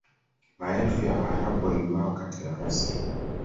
Maelfu ya Waarabu waliuawa katika ghasia